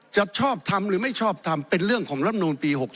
ชอบทำหรือไม่ชอบทำเป็นเรื่องของลำนูลปี๖๖